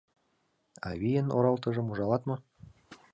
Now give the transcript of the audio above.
— Авийын оралтыжым ужалат мо?